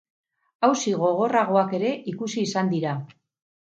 Auzi gogorragoak ere ikusi izan dira.